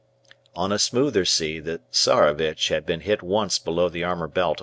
On a smoother sea the "Tsarevitch" had been hit once below the armour belt on 10 August.